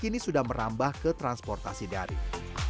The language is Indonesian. kini sudah merambah ke transportasi daring